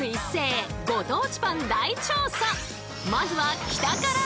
まずは北から！